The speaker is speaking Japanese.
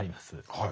はい。